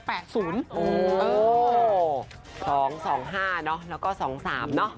๒๒๕เนาะแล้วก็๒๓เนอะ